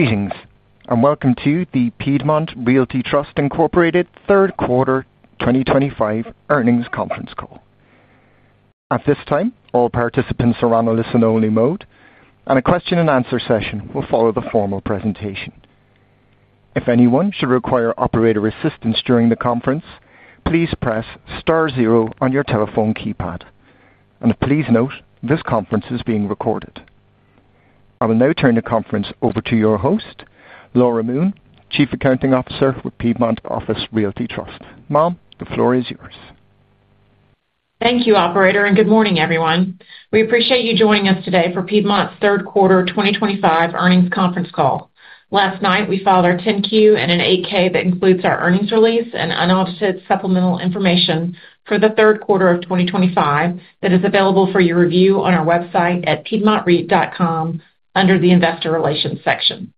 Meetings and welcome to the Piedmont Realty Trust Incorporated third quarter 2025 earnings conference call. At this time, all participants are on a listen-only mode, and a question-and-answer session will follow the formal presentation. If anyone should require operator assistance during the conference, please press star zero on your telephone keypad. Please note this conference is being recorded. I will now turn the conference over to your host, Laura Moon, Chief Accounting Officer with Piedmont Office Realty Trust. Laura, the floor is yours. Thank you, Operator, and good morning, everyone. We appreciate you joining us today for Piedmont's third quarter 2025 earnings conference call. Last night, we filed our 10-Q and an 8-K that includes our earnings release and unaudited supplemental information for the third quarter of 2025 that is available for your review on our website at piedmontreit.com under the Investor Relations section.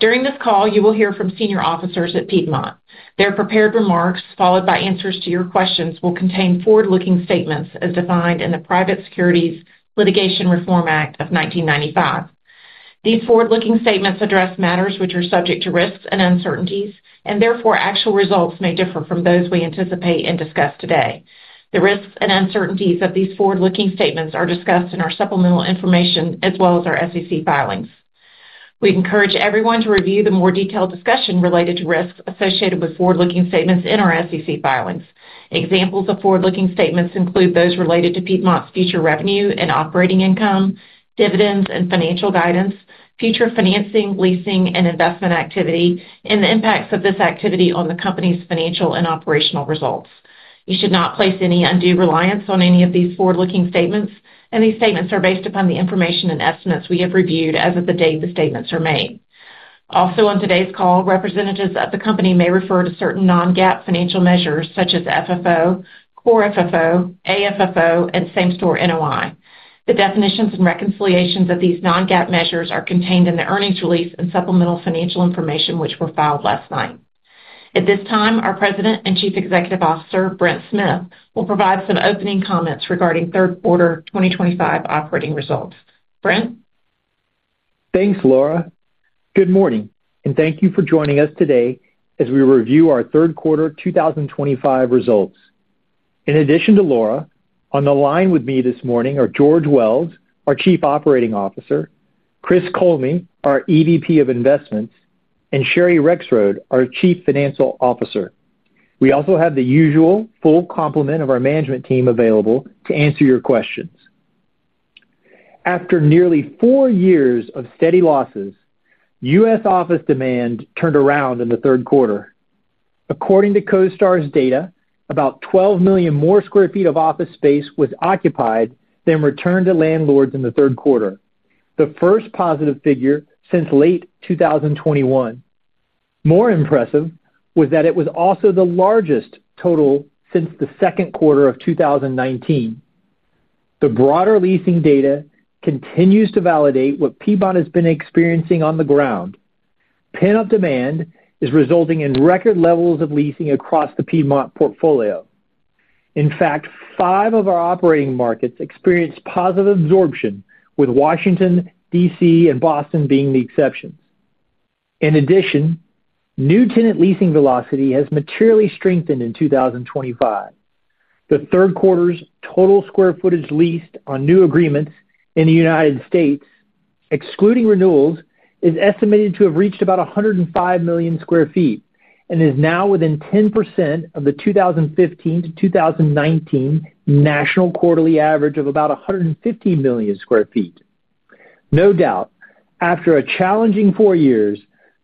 During this call, you will hear from senior officers at Piedmont. Their prepared remarks, followed by answers to your questions, will contain forward-looking statements as defined in the Private Securities Litigation Reform Act of 1995. These forward-looking statements address matters which are subject to risks and uncertainties, and therefore actual results may differ from those we anticipate and discuss today. The risks and uncertainties of these forward-looking statements are discussed in our supplemental information as well as our SEC filings. We'd encourage everyone to review the more detailed discussion related to risks associated with forward-looking statements in our SEC filings. Examples of forward-looking statements include those related to Piedmont's future revenue and operating income, dividends and financial guidance, future financing, leasing, and investment activity, and the impacts of this activity on the company's financial and operational results. You should not place any undue reliance on any of these forward-looking statements, and these statements are based upon the information and estimates we have reviewed as of the date the statements are made. Also, on today's call, representatives of the company may refer to certain non-GAAP financial measures such as FFO, Core FFO, AFFO, and Same-Store NOI. The definitions and reconciliations of these non-GAAP measures are contained in the earnings release and supplemental financial information which were filed last night. At this time, our President and Chief Executive Officer, Brent Smith, will provide some opening comments regarding third quarter 2025 operating results. Brent? Thanks, Laura. Good morning, and thank you for joining us today as we review our third quarter 2025 results. In addition to Laura, on the line with me this morning are George Wells, our Chief Operating Officer, Chris Coleman, our EVP of Investments, and Sherry Rexroad, our Chief Financial Officer. We also have the usual full complement of our management team available to answer your questions. After nearly four years of steady losses, U.S. office demand turned around in the third quarter. According to CoStar's data, about 12 million more square feet of office space was occupied than returned to landlords in the third quarter, the first positive figure since late 2021. More impressive was that it was also the largest total since the second quarter of 2019. The broader leasing data continues to validate what Piedmont has been experiencing on the ground. Pin-up demand is resulting in record levels of leasing across the Piedmont portfolio. In fact, five of our operating markets experienced positive absorption, with Washington, D.C. and Boston being the exceptions. In addition, new tenant leasing velocity has materially strengthened in 2025. The third quarter's total square footage leased on new agreements in the United States, excluding renewals, is estimated to have reached about 105 million square feet and is now within 10% of the 2015-2019 national quarterly average of about 115 million square feet. No doubt, after a challenging four years,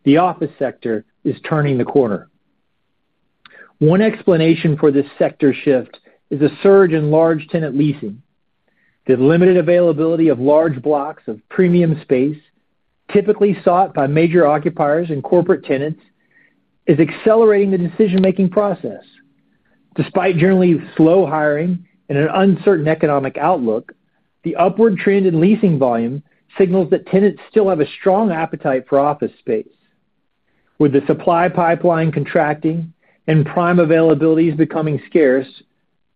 the office sector is turning the corner. One explanation for this sector shift is a surge in large tenant leasing. The limited availability of large blocks of premium space, typically sought by major occupiers and corporate tenants, is accelerating the decision-making process. Despite generally slow hiring and an uncertain economic outlook, the upward trend in leasing volume signals that tenants still have a strong appetite for office space. With the supply pipeline contracting and prime availabilities becoming scarce,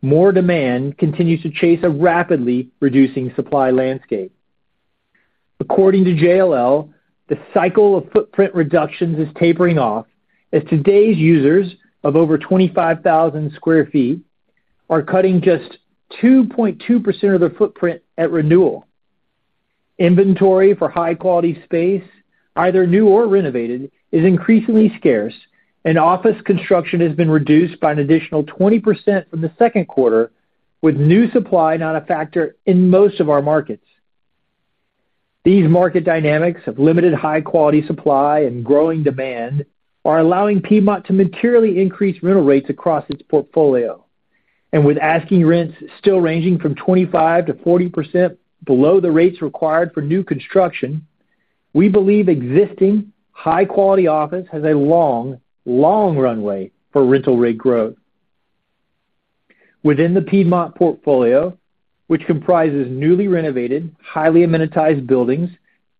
more demand continues to chase a rapidly reducing supply landscape. According to JLL, the cycle of footprint reductions is tapering off as today's users of over 25,000 square feet are cutting just 2.2% of their footprint at renewal. Inventory for high-quality space, either new or renovated, is increasingly scarce, and office construction has been reduced by an additional 20% from the second quarter, with new supply not a factor in most of our markets. These market dynamics of limited high-quality supply and growing demand are allowing Piedmont to materially increase rental rates across its portfolio. With asking rents still ranging from 25%-40% below the rates required for new construction, we believe existing high-quality office has a long, long runway for rental rate growth. Within the Piedmont portfolio, which comprises newly renovated, highly amenitized buildings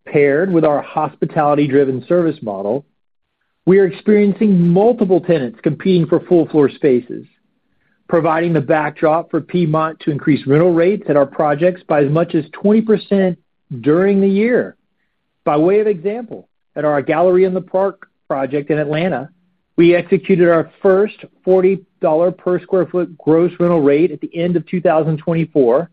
paired with our hospitality-driven service model, we are experiencing multiple tenants competing for full-floor spaces, providing the backdrop for Piedmont to increase rental rates at our projects by as much as 20% during the year. By way of example, at our Gallery in the Park project in Atlanta, we executed our first $40 per square foot gross rental rate at the end of 2024,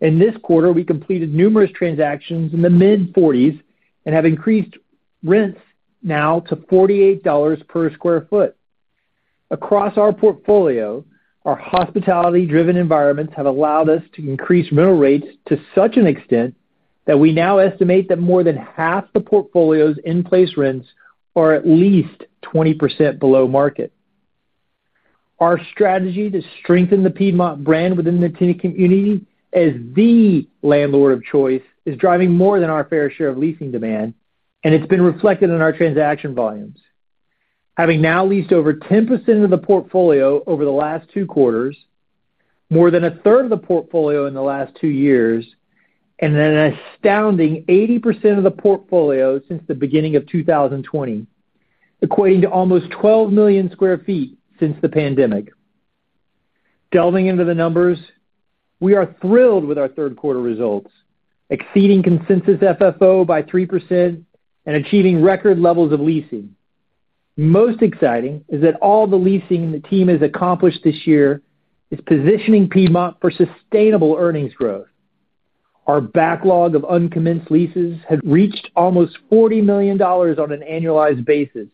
and this quarter we completed numerous transactions in the mid-40s and have increased rents now to $48 per square foot. Across our portfolio, our hospitality-driven environments have allowed us to increase rental rates to such an extent that we now estimate that more than half the portfolio's in-place rents are at least 20% below market. Our strategy to strengthen the Piedmont brand within the tenant community as the landlord of choice is driving more than our fair share of leasing demand, and it's been reflected in our transaction volumes. Having now leased over 10% of the portfolio over the last two quarters, more than a third of the portfolio in the last two years, and an astounding 80% of the portfolio since the beginning of 2020, equating to almost 12 million square feet since the pandemic. Delving into the numbers, we are thrilled with our third quarter results, exceeding consensus FFO by 3% and achieving record levels of leasing. Most exciting is that all the leasing the team has accomplished this year is positioning Piedmont for sustainable earnings growth. Our backlog of uncommenced leases has reached almost $40 million on an annualized basis,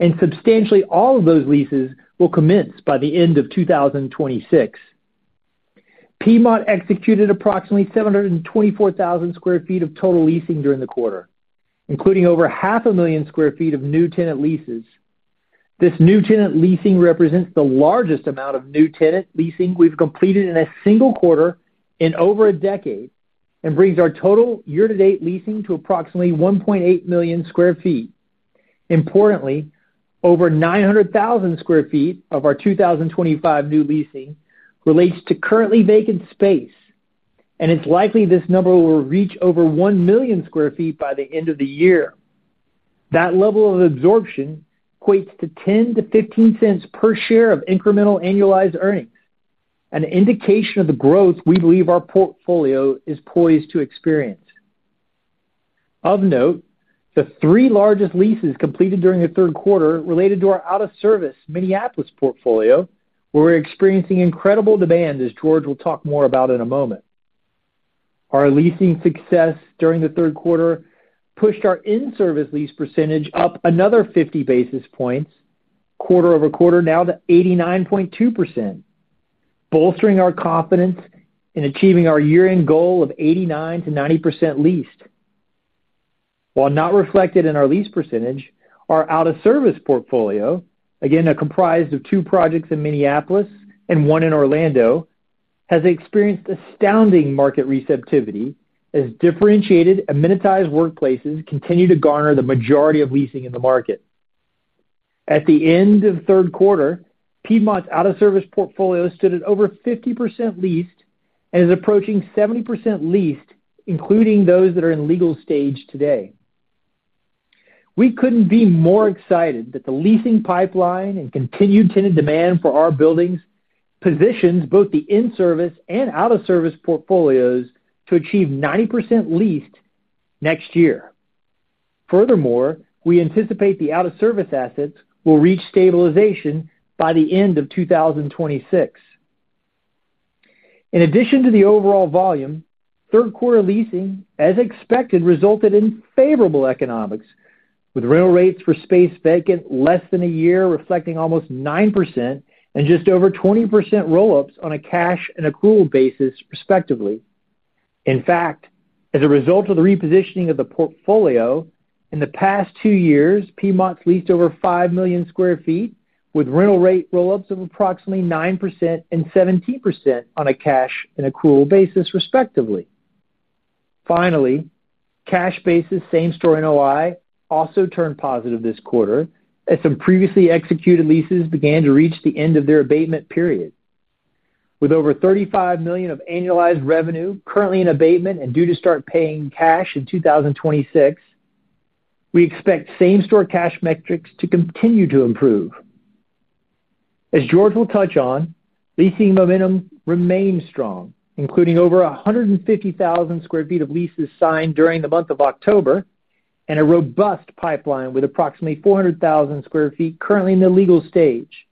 and substantially all of those leases will commence by the end of 2026. Piedmont executed approximately 724,000 square feet of total leasing during the quarter, including over half a million square feet of new tenant leases. This new tenant leasing represents the largest amount of new tenant leasing we've completed in a single quarter in over a decade and brings our total year-to-date leasing to approximately 1.8 million square feet. Importantly, over 900,000 square feet of our 2025 new leasing relates to currently vacant space, and it's likely this number will reach over 1 million square feet by the end of the year. That level of absorption equates to $0.10 to $0.15 per share of incremental annualized earnings, an indication of the growth we believe our portfolio is poised to experience. Of note, the three largest leases completed during the third quarter related to our out-of-service Minneapolis portfolio, where we're experiencing incredible demand, as George will talk more about in a moment. Our leasing success during the third quarter pushed our in-service lease percentage up another 50 basis points, quarter-over-quarter, now to 89.2%, bolstering our confidence in achieving our year-end goal of 89%-90% leased. While not reflected in our lease percentage, our out-of-service portfolio, again comprised of two projects in Minneapolis and one in Orlando, has experienced astounding market receptivity as differentiated amenitized workplaces continue to garner the majority of leasing in the market. At the end of the third quarter, Piedmont's out-of-service portfolio stood at over 50% leased and is approaching 70% leased, including those that are in legal stage today. We couldn't be more excited that the leasing pipeline and continued tenant demand for our buildings positions both the in-service and out-of-service portfolios to achieve 90% leased next year. Furthermore, we anticipate the out-of-service assets will reach stabilization by the end of 2026. In addition to the overall volume, third quarter leasing, as expected, resulted in favorable economics, with rental rates for space vacant less than a year reflecting almost 9% and just over 20% roll-ups on a cash and accrual basis, respectively. In fact, as a result of the repositioning of the portfolio in the past two years, Piedmont leased over 5 million square feet, with rental rate roll-ups of approximately 9% and 17% on a cash and accrual basis, respectively. Finally, cash basis Same-Store NOI also turned positive this quarter as some previously executed leases began to reach the end of their abatement period. With over $35 million of annualized revenue currently in abatement and due to start paying cash in 2026, we expect Same-Store cash metrics to continue to improve. As George will touch on, leasing momentum remains strong, including over 150,000 square feet of leases signed during the month of October and a robust pipeline with approximately 400,000 square feet currently in the legal stage.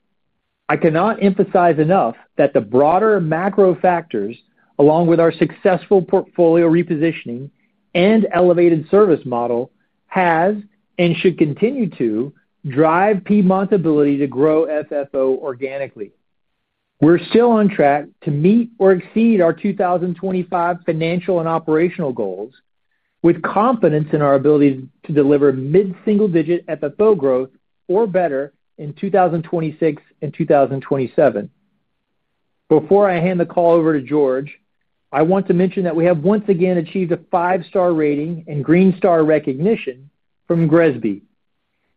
I cannot emphasize enough that the broader macro factors, along with our successful portfolio repositioning and elevated service model, have and should continue to drive Piedmont's ability to grow FFO organically. We're still on track to meet or exceed our 2025 financial and operational goals with confidence in our ability to deliver mid-single-digit FFO growth, or better, in 2026 and 2027. Before I hand the call over to George, I want to mention that we have once again achieved a five-star rating and Green Star recognition from GRESB,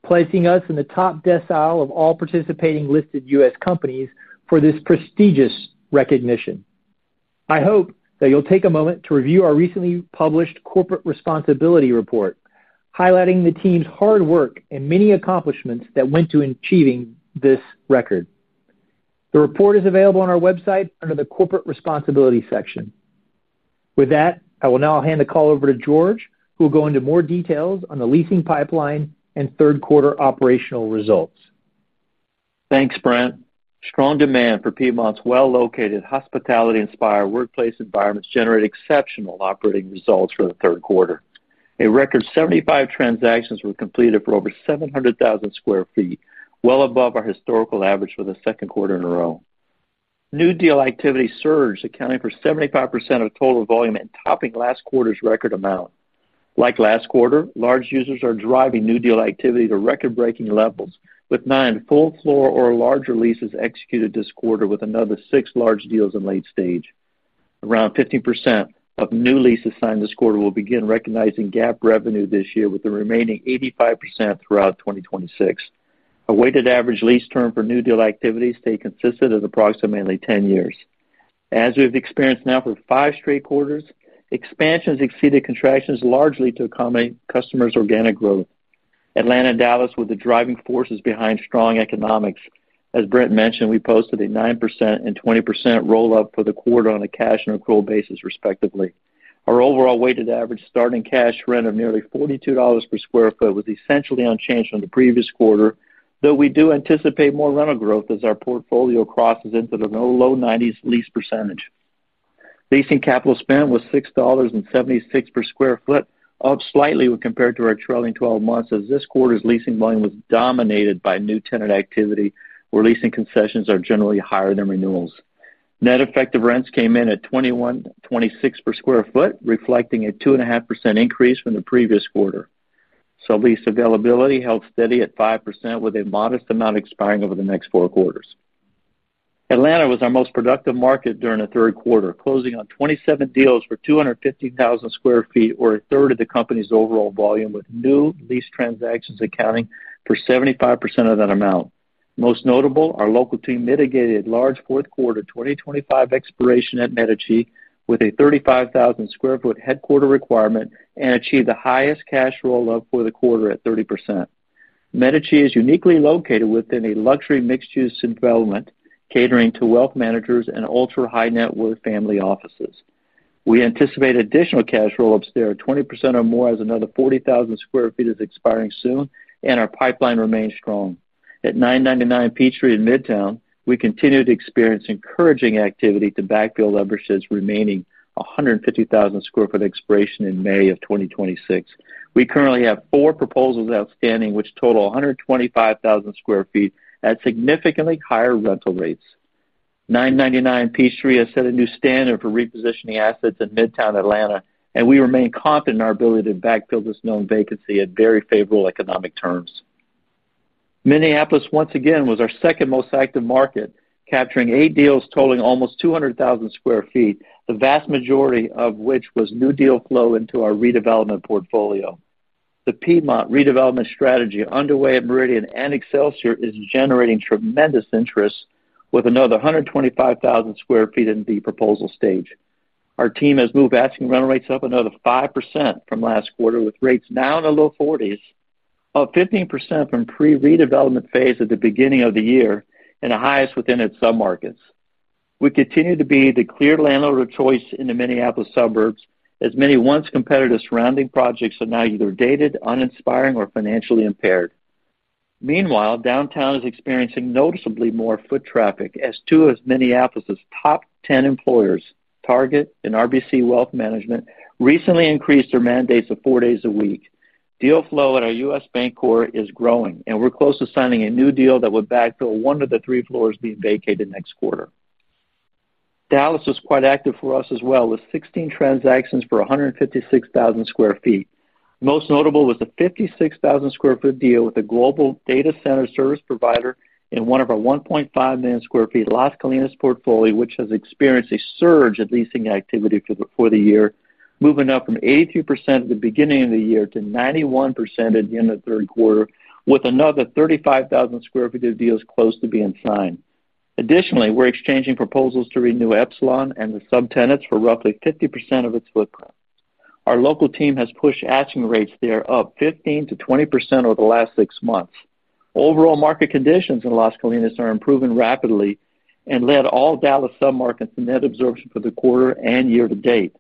placing us in the top decile of all participating listed U.S. companies for this prestigious recognition. I hope that you'll take a moment to review our recently published Corporate Responsibility Report, highlighting the team's hard work and many accomplishments that went to achieving this record. The report is available on our website under the Corporate Responsibility section. With that, I will now hand the call over to George, who will go into more details on the leasing pipeline and third quarter operational results. Thanks, Brent. Strong demand for Piedmont's well-located hospitality-inspired workplace environments generated exceptional operating results for the third quarter. A record 75 transactions were completed for over 700,000 square feet, well above our historical average for the second quarter in a row. New deal activity surged, accounting for 75% of total volume and topping last quarter's record amount. Like last quarter, large users are driving new deal activity to record-breaking levels, with nine full-floor or larger leases executed this quarter, with another six large deals in late stage. Around 15% of new leases signed this quarter will begin recognizing GAAP revenue this year, with the remaining 85% throughout 2026. A weighted average lease term for new deal activity stayed consistent at approximately 10 years. As we've experienced now for five straight quarters, expansions exceeded contractions largely to accommodate customers' organic growth. Atlanta and Dallas were the driving forces behind strong economics. As Brent mentioned, we posted a 9% and 20% roll-up for the quarter on a cash and accrual basis, respectively. Our overall weighted average starting cash rent of nearly $42 per square foot was essentially unchanged from the previous quarter, though we do anticipate more rental growth as our portfolio crosses into the low 90% lease percentage. Leasing capital spent was $6.76 per square foot, up slightly when compared to our trailing 12 months, as this quarter's leasing volume was dominated by new tenant activity, where leasing concessions are generally higher than renewals. Net effective rents came in at $21.26 per square foot, reflecting a 2.5% increase from the previous quarter. Lease availability held steady at 5%, with a modest amount expiring over the next four quarters. Atlanta was our most productive market during the third quarter, closing on 27 deals for 250,000 square feet, or a third of the company's overall volume, with new lease transactions accounting for 75% of that amount. Most notable, our local team mitigated large fourth quarter 2025 expiration at Medici, with a 35,000 square foot headquarter requirement, and achieved the highest cash roll-up for the quarter at 30%. Medici is uniquely located within a luxury mixed-use development catering to wealth managers and ultra-high net worth family offices. We anticipate additional cash roll-ups there, 20% or more, as another 40,000 square feet is expiring soon, and our pipeline remains strong. At 999 Peachtree in Midtown, we continue to experience encouraging activity to backfill Lubbershed's remaining 150,000 square foot expiration in May of 2026. We currently have four proposals outstanding, which total 125,000 square feet at significantly higher rental rates. 999 Peachtree has set a new standard for repositioning assets in Midtown Atlanta, and we remain confident in our ability to backfill this known vacancy at very favorable economic terms. Minneapolis, once again, was our second most active market, capturing eight deals totaling almost 200,000 square feet, the vast majority of which was new deal flow into our redevelopment portfolio. The Piedmont redevelopment strategy underway at Meridian and Excelsior is generating tremendous interest, with another 125,000 square feet in the proposal stage. Our team has moved asking rental rates up another 5% from last quarter, with rates now in the low $40s, up 15% from pre-redevelopment phase at the beginning of the year, and the highest within its submarkets. We continue to be the clear landlord of choice in the Minneapolis suburbs, as many once competitive surrounding projects are now either dated, uninspiring, or financially impaired. Meanwhile, downtown is experiencing noticeably more foot traffic, as two of Minneapolis's top 10 employers, Target and RBC Wealth Management, recently increased their mandates to four days a week. Deal flow at our U.S. Bank core is growing, and we're close to signing a new deal that would backfill one of the three floors being vacated next quarter. Dallas was quite active for us as well, with 16 transactions for 156,000 square feet. Most notable was the 56,000 square foot deal with a global data center service provider in one of our 1.5 million square feet Las Colinas portfolio, which has experienced a surge in leasing activity for the year, moving up from 83% at the beginning of the year to 91% at the end of the third quarter, with another 35,000 square feet of deals close to being signed. Additionally, we're exchanging proposals to renew Epsilon and the subtenants for roughly 50% of its footprint. Our local team has pushed asking rates there up 15%-20% over the last six months. Overall market conditions in Las Colinas are improving rapidly and led all Dallas submarkets to net absorption for the quarter and year to date,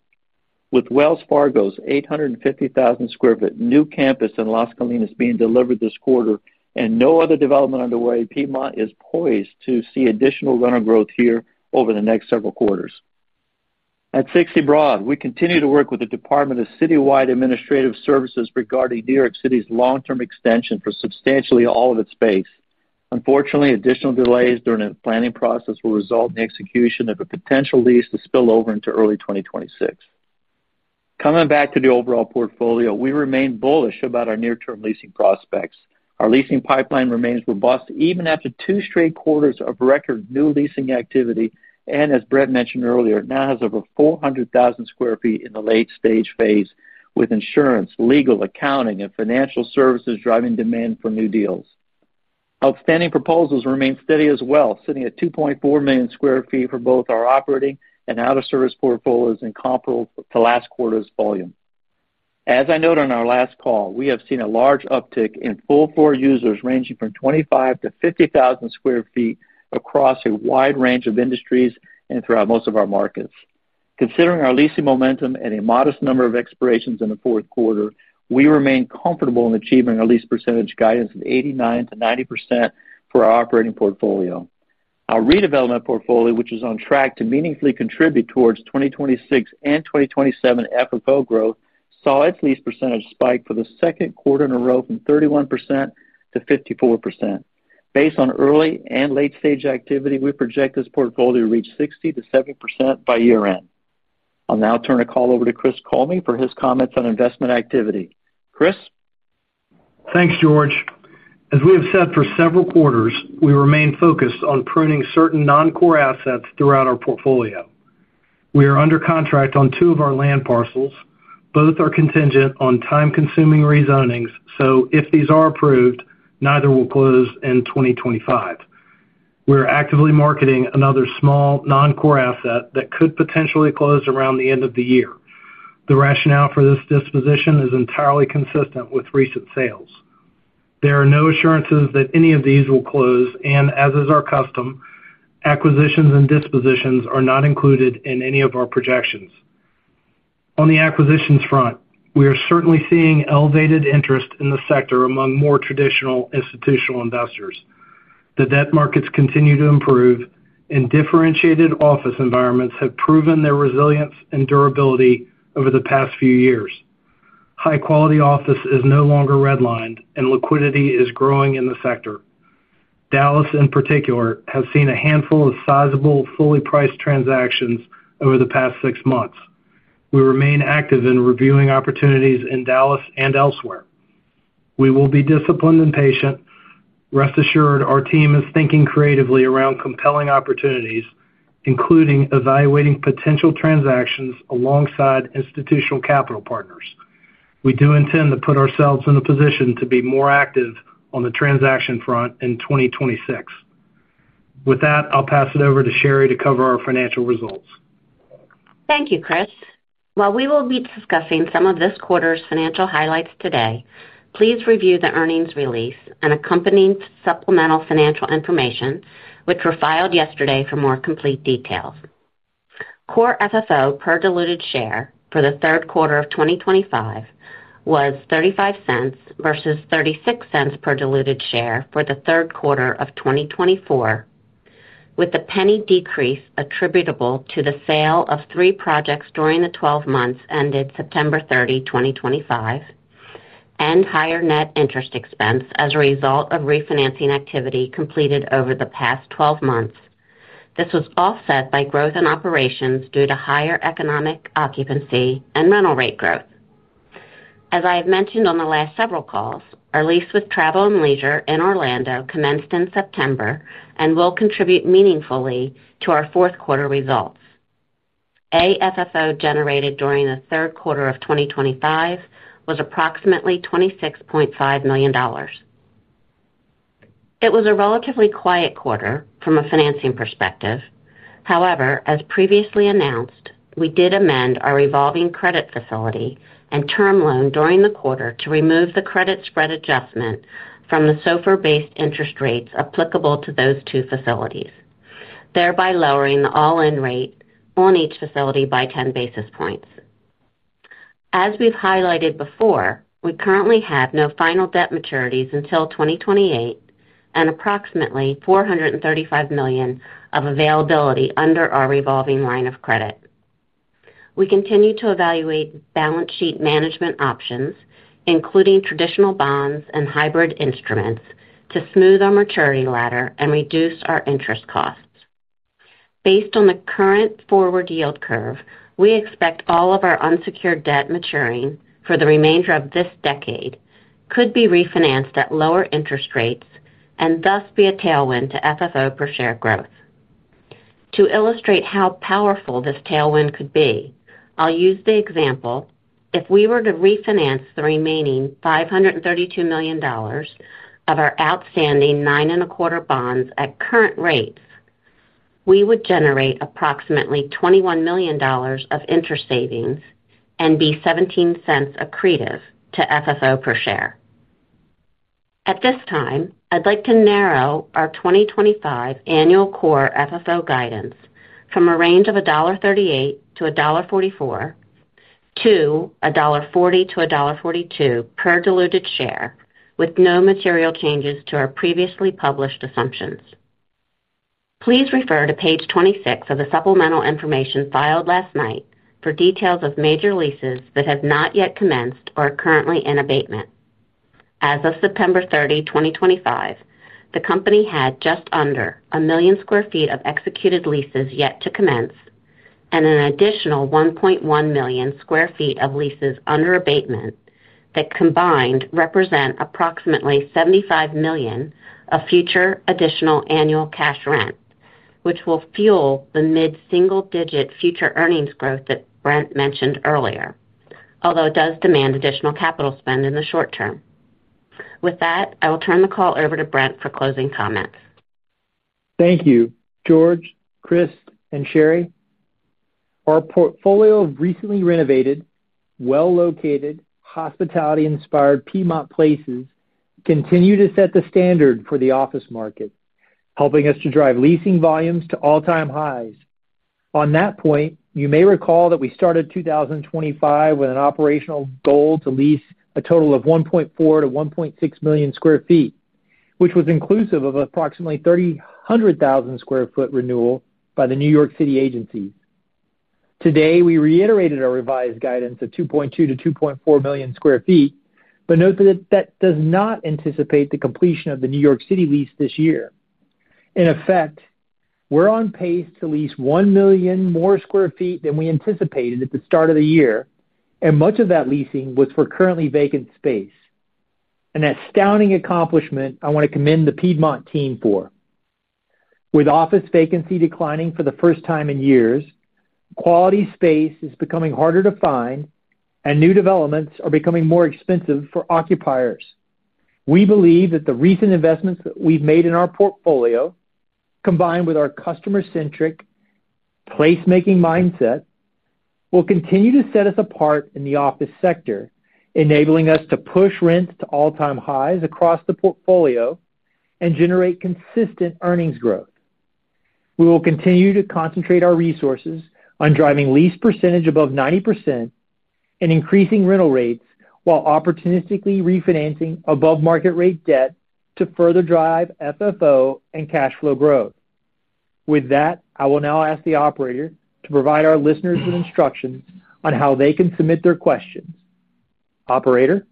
with Wells Fargo's 850,000 square foot new campus in Las Colinas being delivered this quarter and no other development underway. Piedmont is poised to see additional rental growth here over the next several quarters. At 60 Broad, we continue to work with the Department of Citywide Administrative Services regarding New York City's long-term extension for substantially all of its space. Unfortunately, additional delays during the planning process will result in the execution of a potential lease to spill over into early 2026. Coming back to the overall portfolio, we remain bullish about our near-term leasing prospects. Our leasing pipeline remains robust even after two straight quarters of record new leasing activity, and as Brent mentioned earlier, now has over 400,000 square feet in the late stage phase, with insurance, legal, accounting, and financial services driving demand for new deals. Outstanding proposals remain steady as well, sitting at 2.4 million square feet for both our operating and out-of-service portfolios and comparable to last quarter's volume. As I noted on our last call, we have seen a large uptick in full-floor users ranging from 25,000-50,000 square feet across a wide range of industries and throughout most of our markets. Considering our leasing momentum and a modest number of expirations in the fourth quarter, we remain comfortable in achieving our lease percentage guidance of 89%-90% for our operating portfolio. Our redevelopment portfolio, which is on track to meaningfully contribute towards 2026 and 2027 FFO growth, saw its lease percentage spike for the second quarter in a row from 31% to 54%. Based on early and late-stage activity, we project this portfolio to reach 60%-70% by year-end. I'll now turn the call over to Chris Coleman for his comments on investment activity. Chris? Thanks, George. As we have said for several quarters, we remain focused on pruning certain non-core assets throughout our portfolio. We are under contract on two of our land parcels. Both are contingent on time-consuming rezonings, so if these are approved, neither will close in 2025. We are actively marketing another small non-core asset that could potentially close around the end of the year. The rationale for this disposition is entirely consistent with recent sales. There are no assurances that any of these will close, and as is our custom, acquisitions and dispositions are not included in any of our projections. On the acquisitions front, we are certainly seeing elevated interest in the sector among more traditional institutional investors. The debt markets continue to improve, and differentiated office environments have proven their resilience and durability over the past few years. High-quality office is no longer redlined, and liquidity is growing in the sector. Dallas, in particular, has seen a handful of sizable, fully priced transactions over the past six months. We remain active in reviewing opportunities in Dallas and elsewhere. We will be disciplined and patient. Rest assured, our team is thinking creatively around compelling opportunities, including evaluating potential transactions alongside institutional capital partners. We do intend to put ourselves in a position to be more active on the transaction front in 2026. With that, I'll pass it over to Sherry to cover our financial results. Thank you, Chris. While we will be discussing some of this quarter's financial highlights today, please review the earnings release and accompanying supplemental financial information, which were filed yesterday for more complete details. Core FFO per diluted share for the third quarter of 2025 was $0.35 versus $0.36 per diluted share for the third quarter of 2024, with the $0.01 decrease attributable to the sale of three projects during the 12 months ended September 30, 2025, and higher net interest expense as a result of refinancing activity completed over the past 12 months. This was offset by growth in operations due to higher economic occupancy and rental rate growth. As I have mentioned on the last several calls, our lease with Travel and Leisure in Orlando commenced in September and will contribute meaningfully to our fourth quarter results. FFO generated during the third quarter of 2025 was approximately $26.5 million. It was a relatively quiet quarter from a financing perspective. However, as previously announced, we did amend our revolving credit facility and term loan during the quarter to remove the credit spread adjustment from the SOFR-based interest rates applicable to those two facilities, thereby lowering the all-in rate on each facility by 10 basis points. As we've highlighted before, we currently have no final debt maturities until 2028 and approximately $435 million of availability under our revolving line of credit. We continue to evaluate balance sheet management options, including traditional bonds and hybrid instruments, to smooth our maturity ladder and reduce our interest costs. Based on the current forward yield curve, we expect all of our unsecured debt maturing for the remainder of this decade could be refinanced at lower interest rates and thus be a tailwind to FFO per share growth. To illustrate how powerful this tailwind could be, I'll use the example: if we were to refinance the remaining $532 million of our outstanding 9.25% bonds at current rates, we would generate approximately $21 million of interest savings and be $0.17 accretive to FFO per share. At this time, I'd like to narrow our 2025 annual core FFO guidance from a range of $1.38 to $1.44 to $1.40 to $1.42 per diluted share, with no material changes to our previously published assumptions. Please refer to page 26 of the supplemental information filed last night for details of major leases that have not yet commenced or are currently in abatement. As of September 30, 2025, the company had just under one million square feet of executed leases yet to commence, and an additional 1.1 million square feet of leases under abatement that combined represent approximately $75 million of future additional annual cash rent, which will fuel the mid-single-digit future earnings growth that Brent mentioned earlier, although it does demand additional capital spend in the short term. With that, I will turn the call over to Brent for closing comments. Thank you, George, Chris, and Sherry. Our portfolio of recently renovated, well-located, hospitality-inspired Piedmont places continue to set the standard for the office market, helping us to drive leasing volumes to all-time highs. On that point, you may recall that we started 2025 with an operational goal to lease a total of 1.4 million-1.6 million square feet, which was inclusive of approximately 300,000 square foot renewal by the New York City agencies. Today, we reiterated our revised guidance of 2.2 million-2.4 million square feet, but note that does not anticipate the completion of the New York City lease this year. In effect, we're on pace to lease 1 million more square feet than we anticipated at the start of the year, and much of that leasing was for currently vacant space. An astounding accomplishment I want to commend the Piedmont team for. With office vacancy declining for the first time in years, quality space is becoming harder to find, and new developments are becoming more expensive for occupiers. We believe that the recent investments that we've made in our portfolio, combined with our customer-centric placemaking mindset, will continue to set us apart in the office sector, enabling us to push rents to all-time highs across the portfolio and generate consistent earnings growth. We will continue to concentrate our resources on driving lease percentage above 90% and increasing rental rates while opportunistically refinancing above-market rate debt to further drive FFO and cash flow growth. With that, I will now ask the Operator to provide our listeners with instructions on how they can submit their questions. Operator?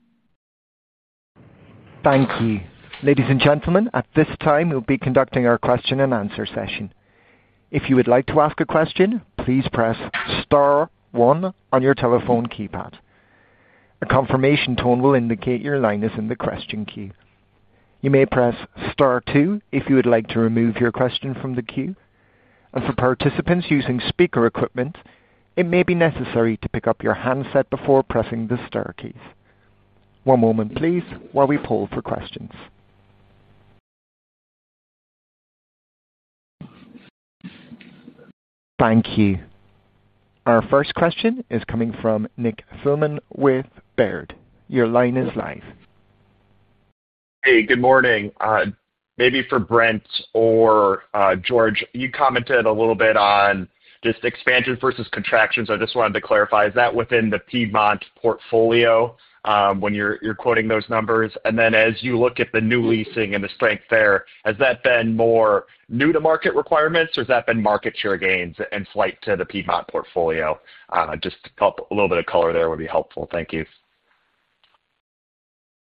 Thank you. Ladies and gentlemen, at this time, we'll be conducting our question-and-answer session. If you would like to ask a question, please press star one on your telephone keypad. A confirmation tone will indicate your line is in the question queue. You may press star two if you would like to remove your question from the queue. For participants using speaker equipment, it may be necessary to pick up your handset before pressing the star keys. One moment, please, while we poll for questions. Thank you. Our first question is coming from Nick Thillman with Baird. Your line is live. Hey, good morning. Maybe for Brent or George, you commented a little bit on just expansion versus contractions. I just wanted to clarify, is that within the Piedmont portfolio when you're quoting those numbers? As you look at the new leasing and the strength there, has that been more new-to-market requirements, or has that been market share gains and flight to the Piedmont portfolio? Just to pop a little bit of color there would be helpful. Thank you.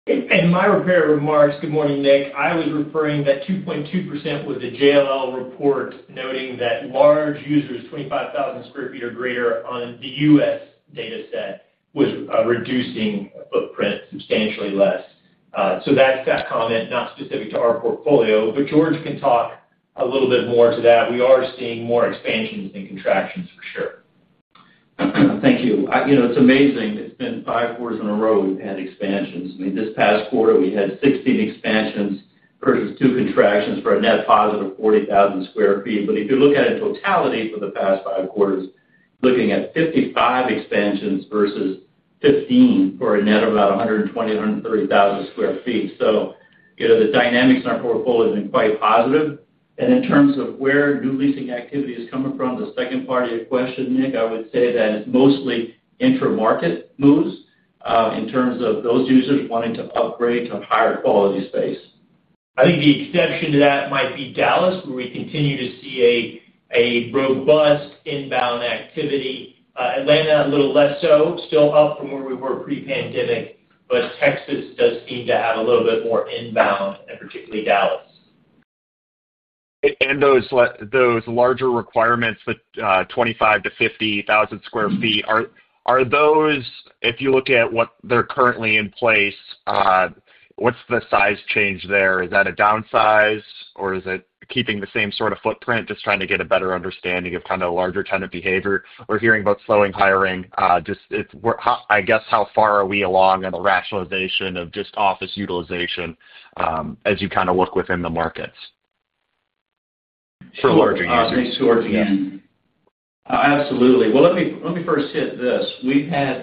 In my prepared remarks, good morning, Nick. I was referring to that 2.2% with the JLL report noting that large users, 25,000 square feet or greater on the U.S. dataset, was reducing footprint substantially less. That's that comment, not specific to our portfolio, but George can talk a little bit more to that. We are seeing more expansions than contractions, for sure. Thank you. It's amazing. It's been five quarters in a row we've had expansions. This past quarter, we had 16 expansions versus two contractions for a net positive of 40,000 square feet. If you look at it in totality for the past five quarters, looking at 55 expansions versus 15 for a net of about 120,000-130,000 square feet. The dynamics in our portfolio have been quite positive. In terms of where new leasing activity is coming from, the second part of your question, Nick, I would say that it's mostly intra-market moves, in terms of those users wanting to upgrade to higher quality space. I think the exception to that might be Dallas, where we continue to see a robust inbound activity. Atlanta a little less so, still up from where we were pre-pandemic, but Texas does seem to have a little bit more inbound, and particularly Dallas. Those larger requirements with 25,000-50,000 square feet, are those, if you look at what they're currently in place, what's the size change there? Is that a downsize, or is it keeping the same sort of footprint? Just trying to get a better understanding of kind of a larger tenant behavior. We're hearing about slowing hiring. I guess, how far are we along on the rationalization of just office utilization, as you kind of look within the markets? For larger users. I think towards the end, absolutely. Let me first hit this.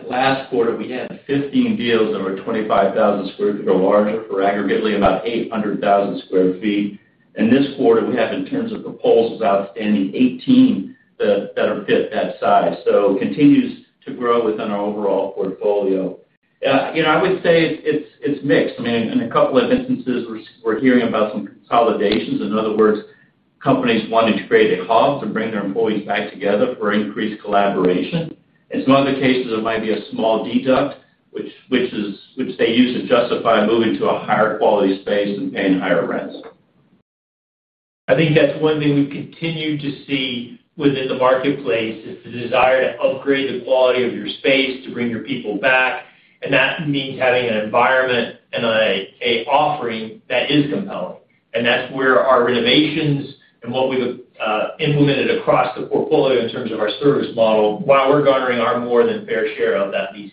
Last quarter, we had 15 deals that were 25,000 square feet or larger for aggregately about 800,000 square feet. This quarter, we have in terms of proposals outstanding, 18 that are that size. It continues to grow within our overall portfolio. I would say it's mixed. In a couple of instances, we're hearing about some consolidations. In other words, companies wanting to create a hub to bring their employees back together for increased collaboration. In some other cases, it might be a small deduct, which they use to justify moving to a higher quality space and paying higher rents. I think that's one thing we continue to see within the marketplace is the desire to upgrade the quality of your space to bring your people back. That means having an environment and an offering that is compelling. That's where our renovations and what we've implemented across the portfolio in terms of our service model, while we're garnering our more than fair share of that lease.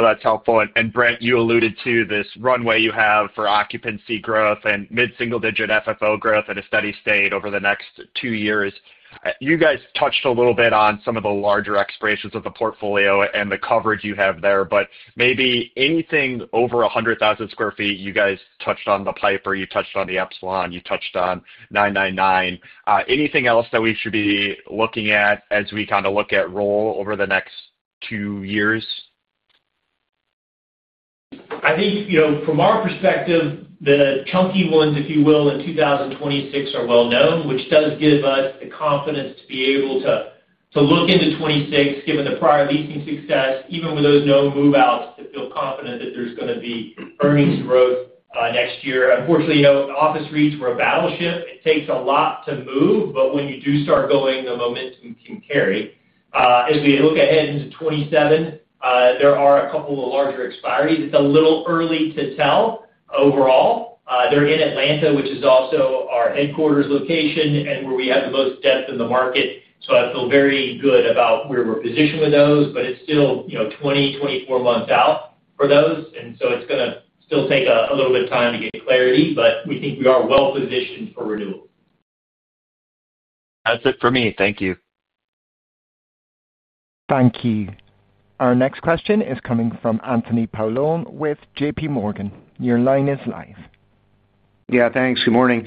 Oh, that's helpful. Brent, you alluded to this runway you have for occupancy growth and mid-single-digit FFO growth at a steady state over the next two years. You guys touched a little bit on some of the larger expirations of the portfolio and the coverage you have there. Maybe anything over 100,000 square feet, you guys touched on the Piper, you touched on the Epsilon, you touched on 999. Anything else that we should be looking at as we kind of look at rollover the next two years? I think, you know, from our perspective, the chunky ones, if you will, in 2026 are well known, which does give us the confidence to be able to look into 2026, given the prior leasing success, even with those known move-outs to feel confident that there's going to be earnings growth next year. Unfortunately, you know, office REITs are a battleship. It takes a lot to move, but when you do start going, the momentum can carry. As we look ahead into 2027, there are a couple of larger expires. It's a little early to tell overall. They're in Atlanta, which is also our headquarters location and where we have the most depth in the market. I feel very good about where we're positioned with those, but it's still, you know, 24 months out for those. It's going to still take a little bit of time to get clarity, but we think we are well positioned for renewal. That's it for me. Thank you. Thank you. Our next question is coming from Anthony Paolone with JP Morgan. Your line is live. Yeah, thanks. Good morning.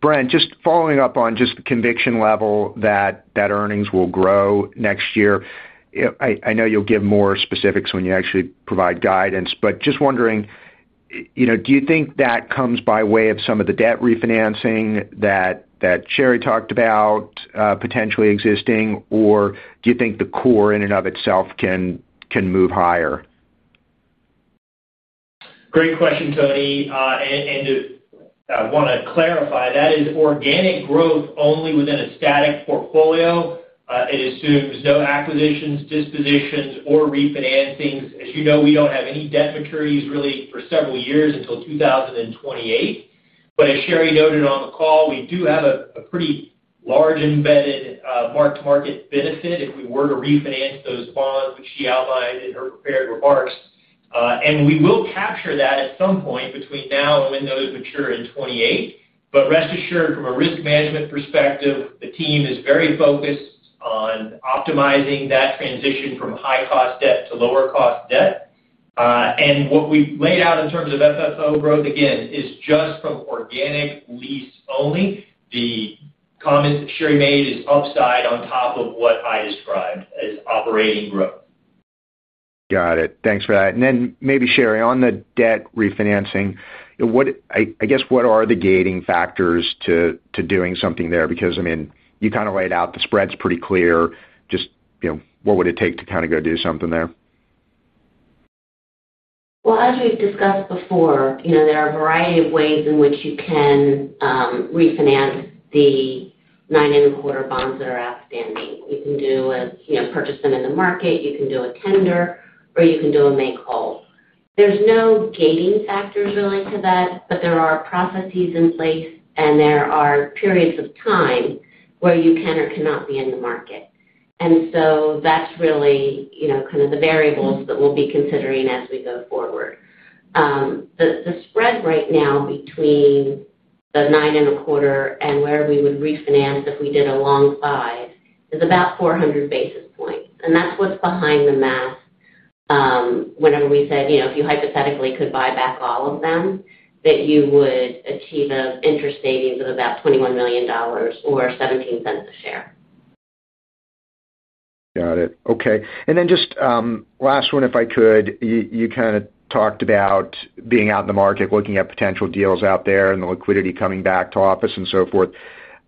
Brent, just following up on the conviction level that earnings will grow next year. I know you'll give more specifics when you actually provide guidance, but just wondering, do you think that comes by way of some of the debt refinancing that Sherry talked about, potentially existing, or do you think the core in and of itself can move higher? Great question, Tony. I want to clarify that is organic growth only within a static portfolio. It assumes no acquisitions, dispositions, or refinancings. As you know, we don't have any debt maturities really for several years until 2028. As Sherry noted on the call, we do have a pretty large embedded, marked market benefit if we were to refinance those bonds, which she outlined in her prepared remarks. We will capture that at some point between now and when those mature in 2028. Rest assured, from a risk management perspective, the team is very focused on optimizing that transition from high-cost debt to lower-cost debt. What we've laid out in terms of FFO growth, again, is just from organic lease only. The comments that Sherry made is upside on top of what I described as operating growth. Got it. Thanks for that. Sherry, on the debt refinancing, what are the gating factors to doing something there? I mean, you kind of laid out the spreads pretty clear. What would it take to go do something there? As we've discussed before, you know, there are a variety of ways in which you can refinance the 9.25% bonds that are outstanding. You can purchase them in the market, you can do a tender, or you can do a make-whole. There's no gating factors related to that, but there are processes in place, and there are periods of time where you can or cannot be in the market. That's really, you know, kind of the variables that we'll be considering as we go forward. The spread right now between the 9.25% and where we would refinance if we did a long five is about 400 basis points. That's what's behind the math. Whenever we said, you know, if you hypothetically could buy back all of them, that you would achieve an interest savings of about $21 million or $0.17 a share. Got it. Okay. Just, last one, if I could, you kind of talked about being out in the market, looking at potential deals out there and the liquidity coming back to office and so forth.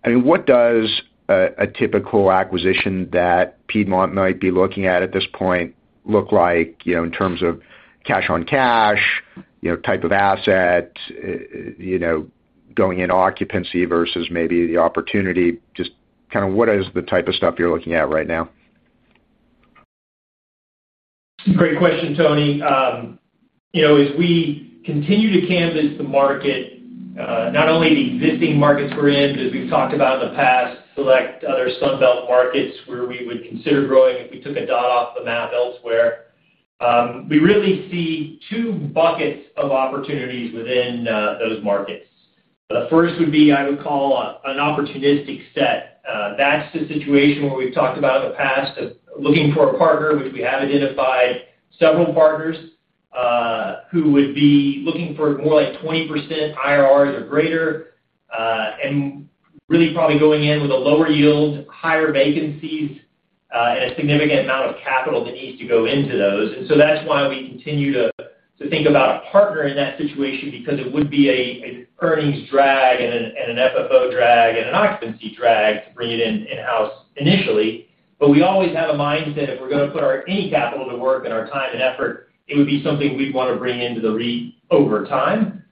I mean, what does a typical acquisition that Piedmont might be looking at at this point look like, you know, in terms of cash on cash, you know, type of asset, you know, going in occupancy versus maybe the opportunity? Just kind of what is the type of stuff you're looking at right now? Great question, Tony. As we continue to canvas the market, not only the existing markets we're in, but as we've talked about in the past, select other Sunbelt markets where we would consider growing if we took a dot off the map elsewhere, we really see two buckets of opportunities within those markets. The first would be, I would call, an opportunistic set. That's the situation where we've talked about in the past of looking for a partner, which we have identified several partners, who would be looking for more like 20% IRRs or greater, and really probably going in with a lower yield, higher vacancies, and a significant amount of capital that needs to go into those. That's why we continue to think about a partner in that situation because it would be an earnings drag and an FFO drag and an occupancy drag to bring it in-house initially. We always have a mindset if we're going to put any capital to work and our time and effort, it would be something we'd want to bring into the REIT over time.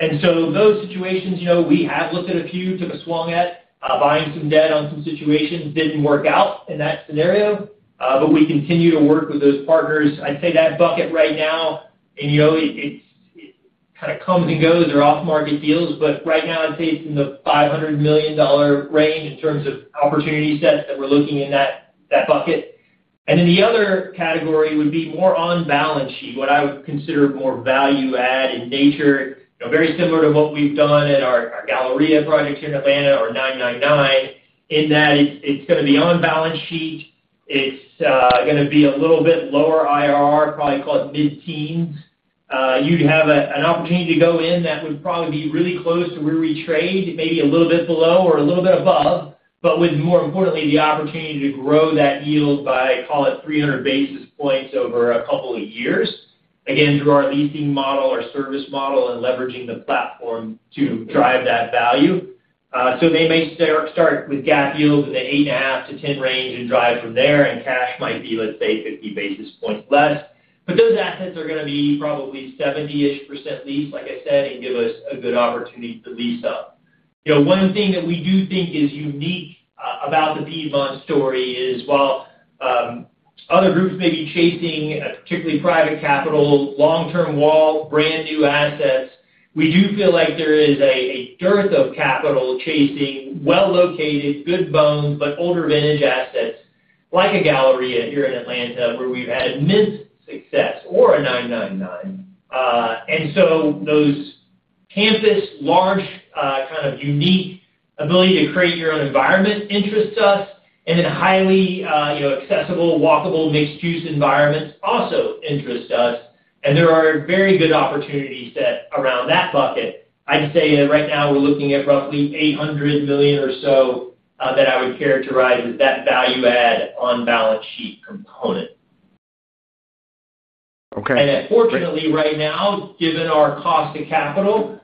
In those situations, we have looked at a few, took a swing at buying some debt on some situations, didn't work out in that scenario. We continue to work with those partners. I'd say that bucket right now, and it kind of comes and goes or off-market deals, but right now I'd say it's in the $500 million range in terms of opportunity sets that we're looking in that bucket. The other category would be more on balance sheet, what I would consider more value-add in nature, very similar to what we've done at our Gallery in the Park project here in Atlanta or 999, in that it's going to be on balance sheet. It's going to be a little bit lower IRR, probably call it mid-teens. You'd have an opportunity to go in that would probably be really close to where we trade, maybe a little bit below or a little bit above, but more importantly, the opportunity to grow that yield by, call it, 300 basis points over a couple of years, again, through our leasing model, our service model, and leveraging the platform to drive that value. They may start with GAAP yields in the 8.5%-10% range and drive from there, and cash might be, let's say, 50 basis points less. Those assets are going to be probably 70% lease, like I said, and give us a good opportunity to lease up. You know, one thing that we do think is unique about the Piedmont story is while other groups may be chasing, particularly private capital, long-term wall, brand new assets, we do feel like there is a dearth of capital chasing well-located, good bones, but older vintage assets like a Gallery in the Park here in Atlanta where we've had immense success or a 999. Those campus, large, kind of unique ability to create your own environment interests us, and then highly accessible, walkable mixed-use environments also interest us. There are very good opportunities around that bucket. I'd say that right now we're looking at roughly $800 million or so that I would characterize as that value-add on balance sheet component. Okay. Unfortunately, right now, given our cost of capital,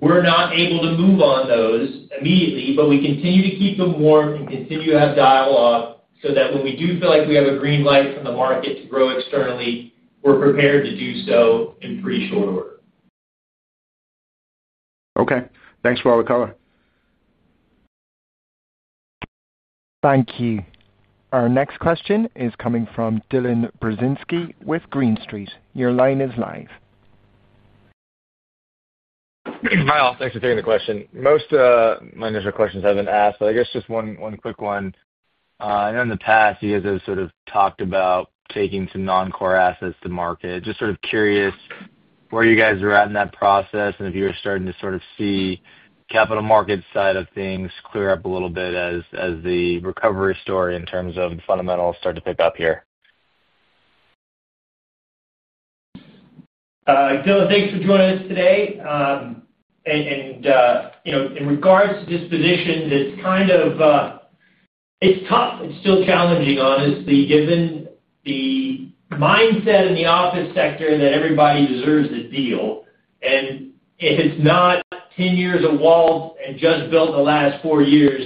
we're not able to move on those immediately, but we continue to keep them warm and continue to have dialogue so that when we do feel like we have a green light from the market to grow externally, we're prepared to do so in pretty short order. Okay, thanks for all the color. Thank you. Our next question is coming from Dylan Burzinski with Green Street. Your line is live. Hi, all. Thanks for taking the question. Most of my initial questions have been asked, but I guess just one quick one. I know in the past you guys have sort of talked about taking some non-core assets to market. Just sort of curious where you guys are at in that process and if you were starting to sort of see the capital market side of things clear up a little bit as the recovery story in terms of the fundamentals start to pick up here. Dylan, thanks for joining us today. In regards to disposition, it's tough. It's still challenging, honestly, given the mindset in the office sector that everybody deserves a deal. If it's not 10 years of walls and just built the last four years,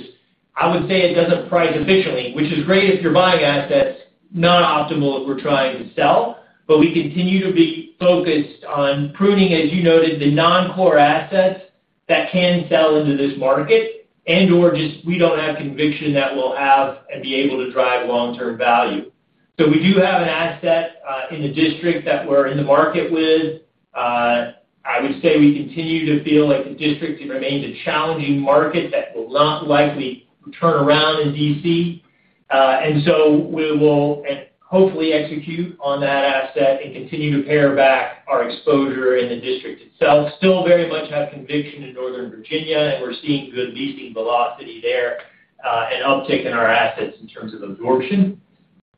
I would say it doesn't price efficiently, which is great if you're buying assets, not optimal if we're trying to sell. We continue to be focused on pruning, as you noted, the non-core assets that can sell into this market and/or just we don't have conviction that we'll have and be able to drive long-term value. We do have an asset in the district that we're in the market with. I would say we continue to feel like the district remains a challenging market that will not likely turn around in D.C., and we will hopefully execute on that asset and continue to pare back our exposure in the district itself. We still very much have conviction in Northern Virginia, and we're seeing good leasing velocity there and uptick in our assets in terms of absorption.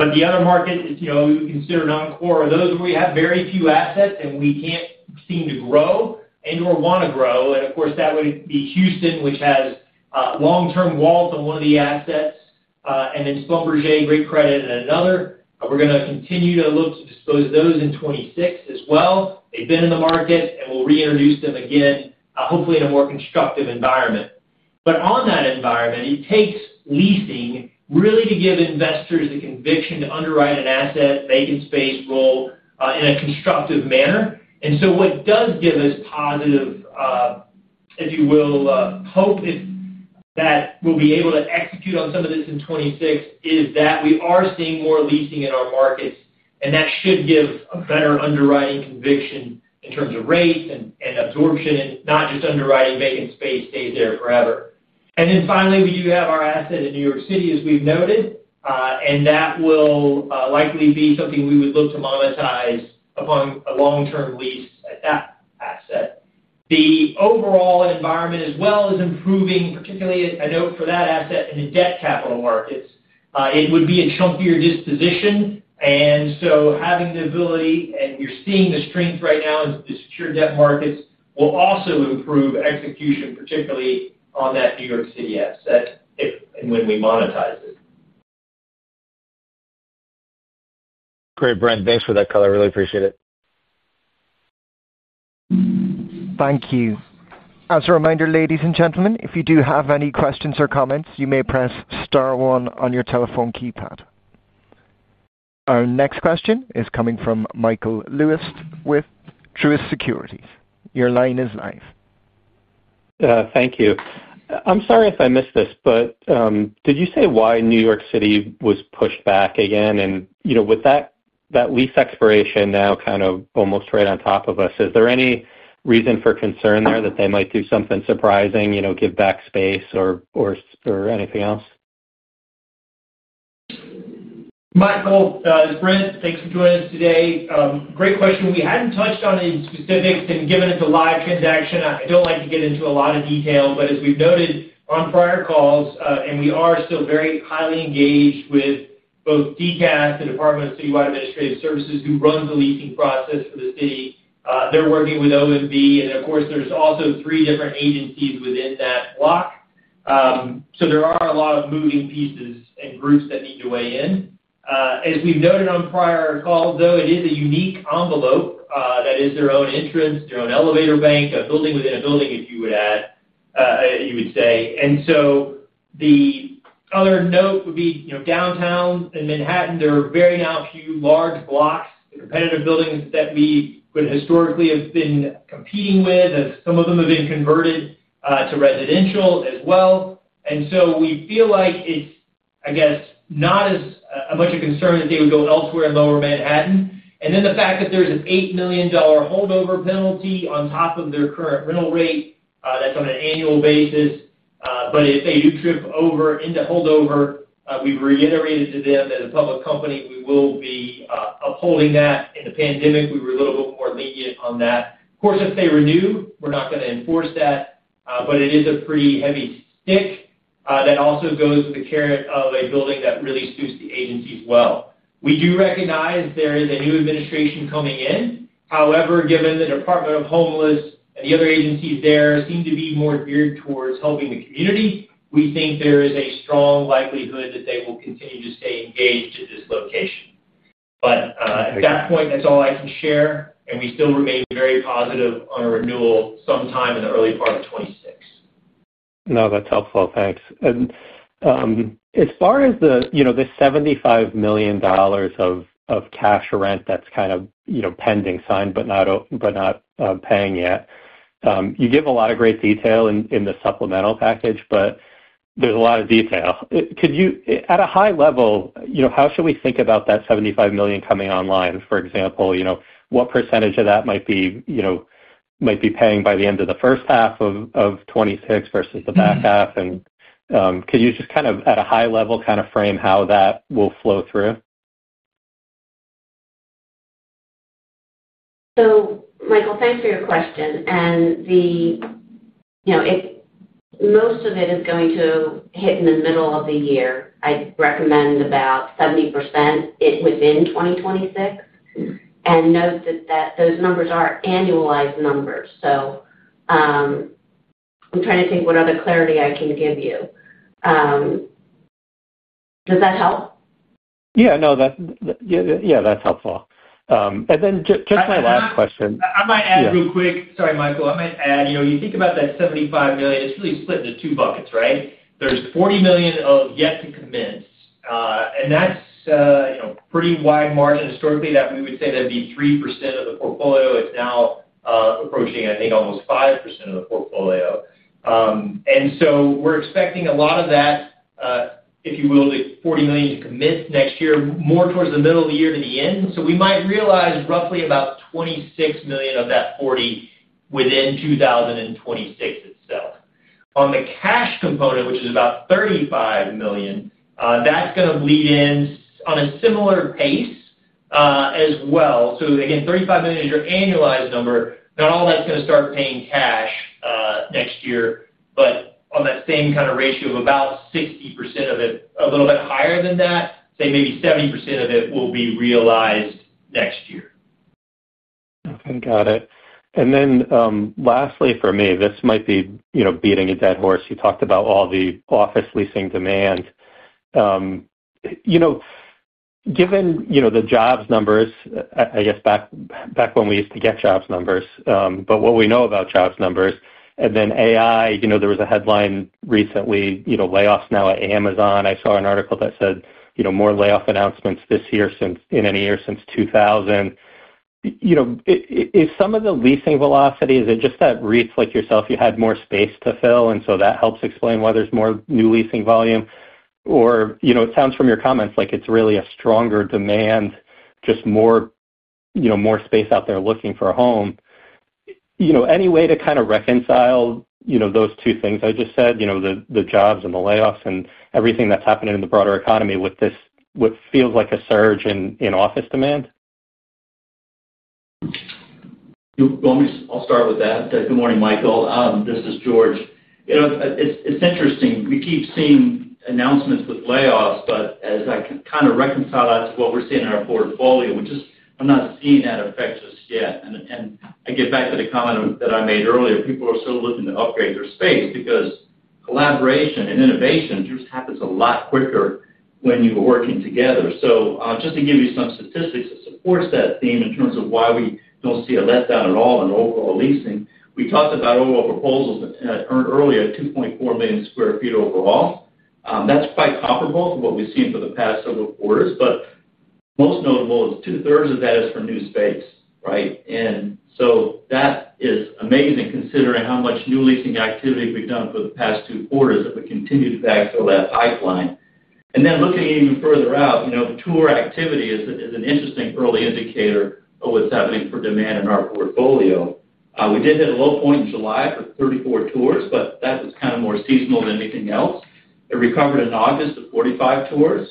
The other markets we would consider non-core are those where we have very few assets and we can't seem to grow and/or want to grow. Of course, that would be Houston, which has long-term walls on one of the assets, and then Schlumberger, great credit, and another. We're going to continue to look to dispose of those in 2026 as well. They've been in the market, and we'll reintroduce them again, hopefully in a more constructive environment. In that environment, it takes leasing really to give investors the conviction to underwrite an asset vacant space role in a constructive manner. What does give us positive hope that we'll be able to execute on some of this in 2026 is that we are seeing more leasing in our markets, and that should give a better underwriting conviction in terms of rates and absorption and not just underwriting vacant space stays there forever. Finally, we do have our asset in New York City, as we've noted, and that will likely be something we would look to monetize upon a long-term lease at that asset. The overall environment as well is improving, particularly a note for that asset in the debt capital markets. It would be a chunkier disposition, and having the ability, and you're seeing the strength right now in the secure debt markets, will also improve execution, particularly on that New York City asset if and when we monetize it. Great, Brent. Thanks for that call. I really appreciate it. Thank you. As a reminder, ladies and gentlemen, if you do have any questions or comments, you may press star one on your telephone keypad. Our next question is coming from Michael Lewis with Truist Securities. Your line is live. Thank you. I'm sorry if I missed this, but did you say why New York City was pushed back again? With that lease expiration now kind of almost right on top of us, is there any reason for concern there that they might do something surprising, you know, give back space or anything else? Michael, Brent, thanks for joining us today. Great question. We hadn't touched on any specifics, and given it's a live transaction, I don't like to get into a lot of detail. As we've noted on prior calls, we are still very highly engaged with both DCAS, the Department of Citywide Administrative Services, who runs the leasing process for the city. They're working with OMB. There are also three different agencies within that block, so there are a lot of moving pieces and groups that need to weigh in. As we've noted on prior calls, it is a unique envelope, that is their own entrance, their own elevator bank, a building within a building, if you would add, you would say. The other note would be, downtown in Manhattan, there are not very many large blocks, competitive buildings that we would historically have been competing with, and some of them have been converted to residential as well. We feel like it's, I guess, not as much a concern that they would go elsewhere in lower Manhattan. The fact that there's an $8 million holdover penalty on top of their current rental rate, that's on an annual basis. If they do trip over into holdover, we've reiterated to them as a public company, we will be upholding that. In the pandemic, we were a little bit more lenient on that. Of course, if they renew, we're not going to enforce that. It is a pretty heavy stick, that also goes with the carrot of a building that really suits the agencies well. We do recognize there is a new administration coming in. However, given the Department of Homeless and the other agencies there seem to be more geared towards helping the community, we think there is a strong likelihood that they will continue to stay engaged in this location. At that point, that's all I can share, and we still remain very positive on a renewal sometime in the early part of 2026. No, that's helpful. Thanks. As far as the $75 million of cash rent that's kind of pending sign, but not paying yet, you give a lot of great detail in the supplemental package, but there's a lot of detail. Could you, at a high level, how should we think about that $75 million coming online? For example, what percentage of that might be paying by the end of the first half of 2026 versus the back half? Could you just, at a high level, frame how that will flow through? Michael, thanks for your question. If most of it is going to hit in the middle of the year, I'd recommend about 70% within 2026. Note that those numbers are annualized numbers. I'm trying to think what other clarity I can give you. Does that help? Yeah, that's helpful, and then just my last question. I might add real quick. Sorry, Michael. I might add, you know, you think about that $75 million, it's really split into two buckets, right? There's $40 million of yet to commence, and that's, you know, a pretty wide margin historically that we would say that'd be 3% of the portfolio. It's now, approaching, I think, almost 5% of the portfolio, and we're expecting a lot of that, if you will, the $40 million to commence next year, more towards the middle of the year than the end. We might realize roughly about $26 million of that $40 million within 2026 itself. On the cash component, which is about $35 million, that's going to bleed in on a similar pace as well. Again, $35 million is your annualized number. Not all that's going to start paying cash next year, but on that same kind of ratio of about 60% of it, a little bit higher than that, say maybe 70% of it will be realized next year. Okay, got it. Lastly for me, this might be, you know, beating a dead horse. You talked about all the office leasing demand. Given, you know, the jobs numbers, I guess back when we used to get jobs numbers, but what we know about jobs numbers, and then AI, you know, there was a headline recently, layoffs now at Amazon. I saw an article that said more layoff announcements this year than in any year since 2000. Is some of the leasing velocity just that REITs like yourself had more space to fill, and so that helps explain why there's more new leasing volume? It sounds from your comments like it's really a stronger demand, just more space out there looking for a home. Any way to kind of reconcile those two things I just said, the jobs and the layoffs and everything that's happening in the broader economy with this, what feels like a surge in office demand? I'll start with that. Good morning, Michael. This is George. You know, it's interesting. We keep seeing announcements with layoffs, but as I kind of reconcile that to what we're seeing in our portfolio, I'm not seeing that effect just yet. I get back to the comment that I made earlier. People are still looking to upgrade their space because collaboration and innovation just happens a lot quicker when you're working together. Just to give you some statistics that support that theme in terms of why we don't see a letdown at all in overall leasing, we talked about overall proposals earlier at 2.4 million square feet overall. That's quite comparable to what we've seen for the past several quarters, but most notable is two-thirds of that is for new space, right? That is amazing considering how much new leasing activity we've done for the past two quarters that we continue to backfill that pipeline. Looking even further out, tour activity is an interesting early indicator of what's happening for demand in our portfolio. We did hit a low point in July for 34 tours, but that was kind of more seasonal than anything else. It recovered in August to 45 tours,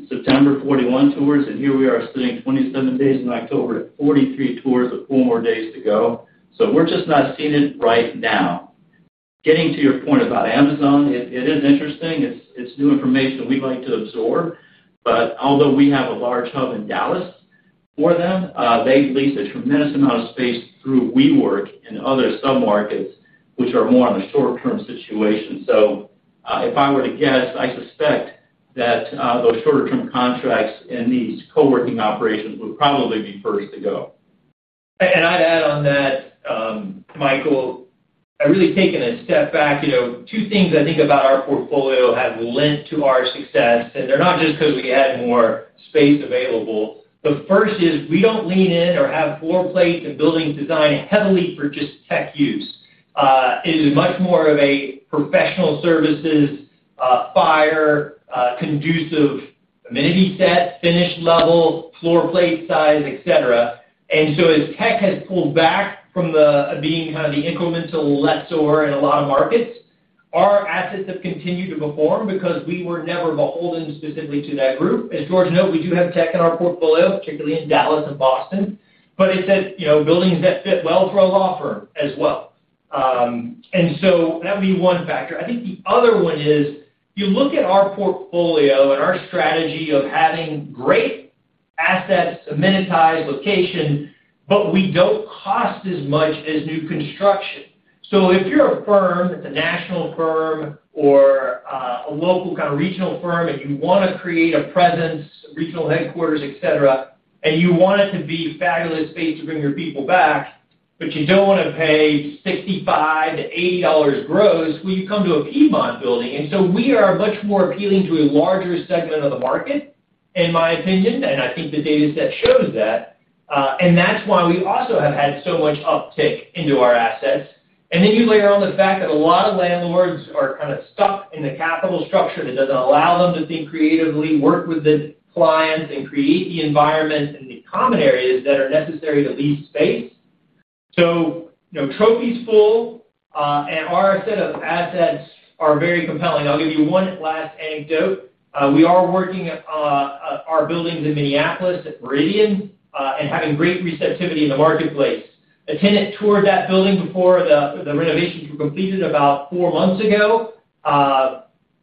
in September 41 tours, and here we are spending 27 days in October to 43 tours with four more days to go. We're just not seeing it right now. Getting to your point about Amazon, it is interesting. It's new information we'd like to absorb. Although we have a large hub in Dallas for them, they lease a tremendous amount of space through WeWork and other submarkets, which are more on the short-term situation. If I were to guess, I suspect that those shorter-term contracts in these coworking operations would probably be first to go. I'd add on that, Michael, really taking a step back. Two things I think about our portfolio have lent to our success, and they're not just because we had more space available. The first is we don't lean in or have floor plates and building design heavily for just tech use. It is much more of a professional services, FIRE, conducive amenity set, finish level, floor plate size, etc. As tech has pulled back from being kind of the incremental lessor in a lot of markets, our assets have continued to perform because we were never beholden specifically to that group. As George noted, we do have tech in our portfolio, particularly in Dallas and Boston. It's at, you know, buildings that fit well for a law firm as well. That would be one factor. I think the other one is you look at our portfolio and our strategy of having great assets, amenitized location, but we don't cost as much as new construction. If you're a firm that's a national firm or a local kind of regional firm and you want to create a presence, regional headquarters, etc., and you want it to be fabulous space to bring your people back, but you don't want to pay $65-$80 gross, you come to a Piedmont building. We are much more appealing to a larger segment of the market, in my opinion, and I think the data set shows that. That's why we also have had so much uptick into our assets. Then you layer on the fact that a lot of landlords are kind of stuck in the capital structure that doesn't allow them to think creatively, work with the clients, and create the environment and the common areas that are necessary to lease space. Trophy's full, and our set of assets are very compelling. I'll give you one last anecdote. We are working on our buildings in Minneapolis at Meridian, and having great receptivity in the marketplace. A tenant toured that building before the renovations were completed about four months ago,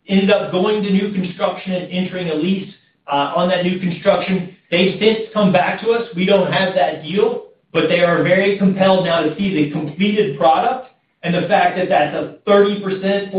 ended up going to new construction and entering a lease on that new construction. They've since come back to us. We don't have that deal, but they are very compelled now to see the completed product and the fact that that's a 30%-40%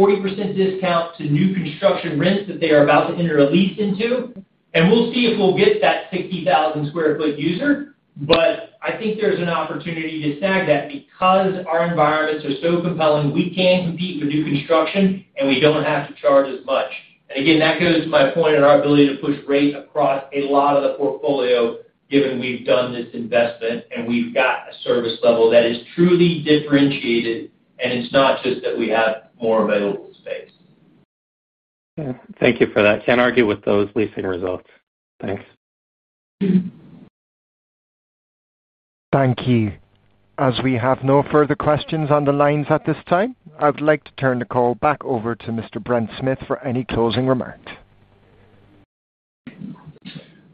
discount to new construction rents that they are about to enter a lease into. We'll see if we'll get that 60,000 square foot user, but I think there's an opportunity to snag that because our environments are so compelling, we can compete for new construction, and we don't have to charge as much. That goes to my point on our ability to push rates across a lot of the portfolio, given we've done this investment and we've got a service level that is truly differentiated, and it's not just that we have more available space. Thank you for that. Can't argue with those leasing results. Thanks. Thank you. As we have no further questions on the lines at this time, I would like to turn the call back over to Mr. Brent Smith for any closing remarks.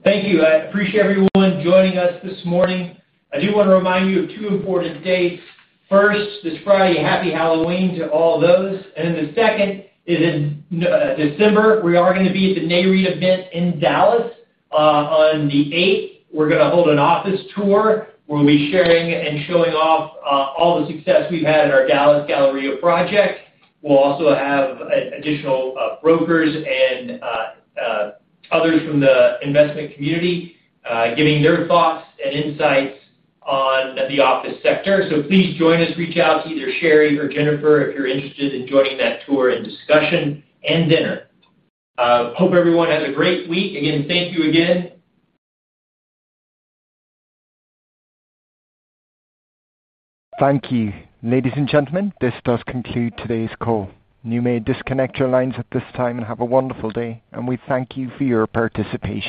Thank you. I appreciate everyone joining us this morning. I do want to remind you of two important dates. First, this Friday, Happy Halloween to all those. The second is in December. We are going to be at the Nareit event in Dallas on the 8th. We're going to hold an office tour. We'll be sharing and showing off all the success we've had in our Dallas Galleria project. We'll also have additional brokers and others from the investment community giving their thoughts and insights on the office sector. Please join us. Reach out to either Sherry or Jennifer if you're interested in joining that tour and discussion and dinner. Hope everyone has a great week. Again, thank you again. Thank you. Ladies and gentlemen, this does conclude today's call. You may disconnect your lines at this time and have a wonderful day. We thank you for your participation.